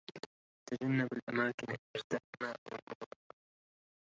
تجنب الأماكن المزدحمة أو المغلقة